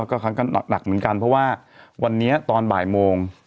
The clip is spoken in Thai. ก็ครั้งก็หนักเหมือนกันเพราะว่าวันนี้ตอนบ่ายโมง